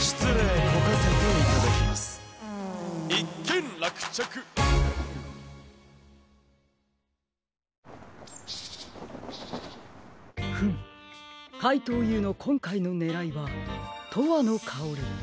ん？フムかいとうＵのこんかいのねらいは「とわのかおり」ですか。